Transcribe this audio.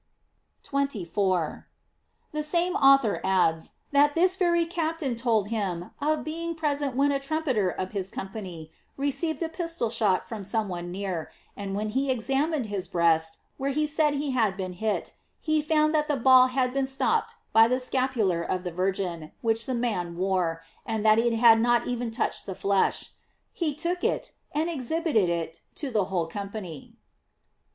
f 24. — The same author adds, that this very captain told him of being present when a trum peter of his company received a pistol shot from some one near, and when be examined his breast where he said that he had been hit, he found that the ball had been stopped by the scapular of the Virgin, which the man wore, and that it had not even touched the flesh. He took it and exhibited it to the whole company.